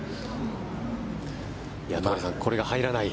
戸張さん、これが入らない。